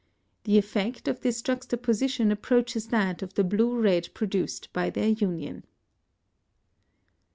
The effect of this juxtaposition approaches that of the blue red produced by their union.